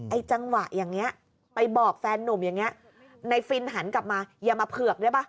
จังหวะอย่างนี้ไปบอกแฟนนุ่มอย่างนี้ในฟินหันกลับมาอย่ามาเผือกได้ป่ะ